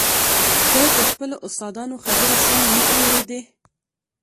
ده د خپلو استادانو خبرې سمې نه اورېدې